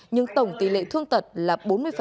nhưng tổng tỷ lệ thương tật là bốn mươi